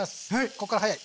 ここから早い！